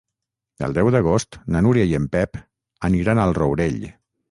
El deu d'agost na Núria i en Pep aniran al Rourell.